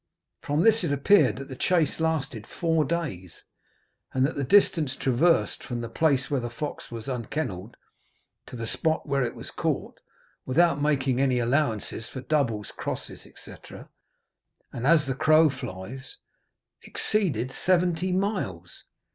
From this it appeared that the chase lasted four days, and that the distance traversed from the place where the fox was unkennelled to the spot where it was caught, without making any allowances for doubles, crosses, &c., and as the crow flies, exceeded seventy miles.